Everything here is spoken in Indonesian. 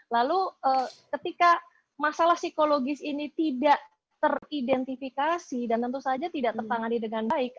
lalu ketika masalah psikologis ini tidak teridentifikasi dan tentu saja tidak tertangani dengan baik